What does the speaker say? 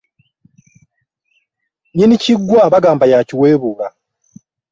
Nnyini kiggwa bagamba y'akiweebuula.